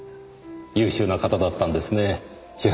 優秀な方だったんですね千原さんは。